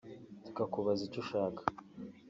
tukakubaza icyo ushaka